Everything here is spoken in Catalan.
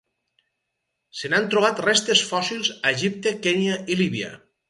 Se n'han trobat restes fòssils a Egipte, Kenya i Líbia.